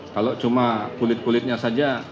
kalau cuma kulit kulitnya saja